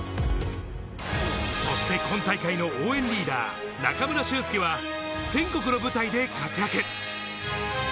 そして今大会の応援リーダー中村俊輔は全国の舞台で活躍。